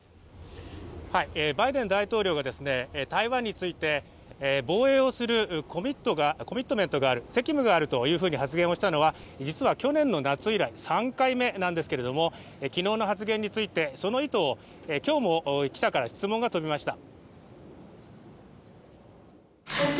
バイデン大統領が台湾について防衛をするコミットメントがある責務があるというふうに発言をしたのは実は去年の夏以来３回目なんですけれども、昨日の発言についてその意図を、今日も記者から質問が飛びました。